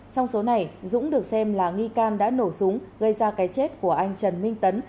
trong số này dũng được xem là nghi can đã nổ súng gây ra cái chết của anh trần minh tấn